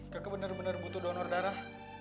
kakak benar benar butuh donor darah